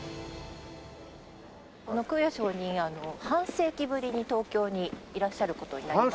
空也上人半世紀ぶりに東京にいらっしゃる事になりまして。